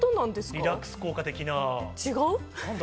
リラックス効果的な。